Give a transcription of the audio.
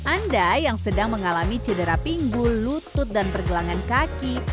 anda yang sedang mengalami cedera pinggul lutut dan pergelangan kaki